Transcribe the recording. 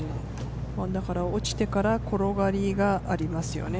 落ちてから転がりがありますよね。